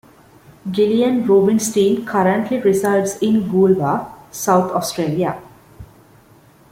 Gillian Rubinstein currently resides in Goolwa, South Australia.